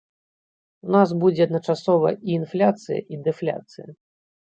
У нас будзе адначасова і інфляцыя, і дэфляцыя.